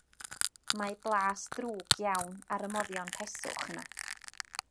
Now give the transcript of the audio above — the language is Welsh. Mae blas drwg iawn ar y moddion peswch yna.